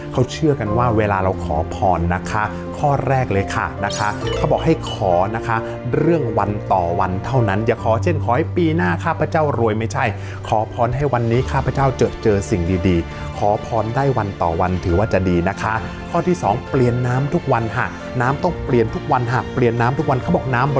เขาเชื่อกันว่าเวลาเราขอพรนะคะข้อแรกเลยค่ะนะคะเขาบอกให้ขอนะคะเรื่องวันต่อวันเท่านั้นอย่าขอเช่นขอให้ปีหน้าข้าพเจ้ารวยไม่ใช่ขอพรให้วันนี้ข้าพเจ้าเจอสิ่งดีดีขอพรได้วันต่อวันถือว่าจะดีนะคะข้อที่สองเปลี่ยนน้ำทุกวันค่ะน้ำต้องเปลี่ยนทุกวันหากเปลี่ยนน้ำทุกวันเขาบอกน้ำ